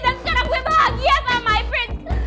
dan sekarang gue bahagia sama my friends